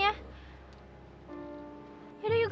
yaudah yuk kita lanjut